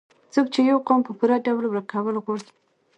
څوک چې يو قام په پوره ډول وروکول غواړي